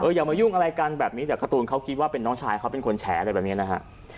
อย่ามายุ่งอะไรกันแบบนี้แต่การ์ตูนเขาคิดว่าเป็นน้องชายเขาเป็นคนแฉอะไรแบบนี้นะฮะ